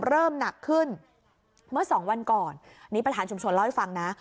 เริ่มหนักขึ้นเมื่อสองวันก่อนนี่ประธานชุมชนเล่าให้ฟังนะ